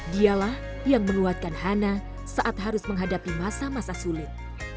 dialah yang menguatkan hana saat harus menghadapi masa masa sulit